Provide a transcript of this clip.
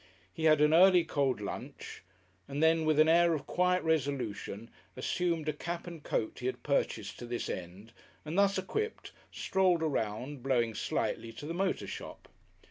He had an early cold lunch, and then, with an air of quiet resolution, assumed a cap and coat he had purchased to this end, and thus equipped strolled around, blowing slightly, to the motor shop.